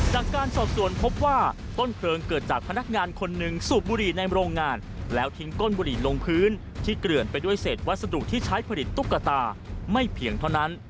จากการสอบส่วนพบว่าต้นเพลิงเกิดจากพนักงานคนหนึ่งสูบบุหรี่ในโรงงานแล้วทิ้งก้นบุหรี่ลงพื้นที่เกลื่อนไปด้วยเศษวัสดุที่ใช้ผลิตตุ๊กตาไม่เพียงเท่านั้น